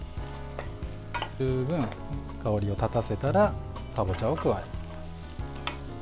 十分、香りを立たせたらかぼちゃを加えます。